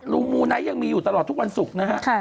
มูไนท์ยังมีอยู่ตลอดทุกวันศุกร์นะฮะ